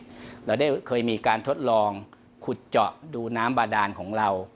เราได้เคยมีการทดลองขุดเจาะดูน้ำบาดานของเรา